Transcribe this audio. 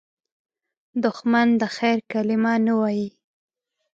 دښمن د خیر کلمه نه وايي